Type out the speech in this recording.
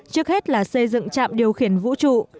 trước hết là xây dựng trạm điều khiển vũ trụ